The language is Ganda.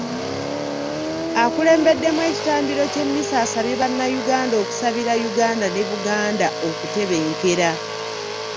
Akulembeddemu ekitambiro ky’emmisa asabye bannayuganda okusabira Uganda ne Buganda okutebenkera.